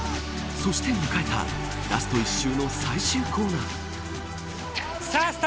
そして迎えたラスト１周の最終コーナー。